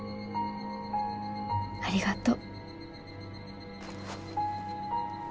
ありがとう。